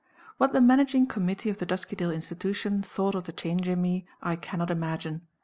What the Managing Committee of the Duskydale Institution thought of the change in me, I cannot imagine.